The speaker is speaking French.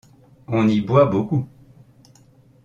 On y boit beaucoup.